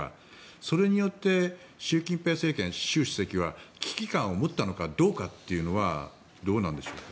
それによって習近平政権、習主席は危機感を持ったのかどうかというのはどうなんでしょうか。